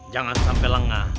jangan sampai lengah